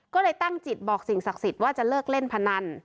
ก็เลยตั้งจิตบอกสิ่งศักดิ์สิทธิ์ว่าจะเลิกเล่นพนัน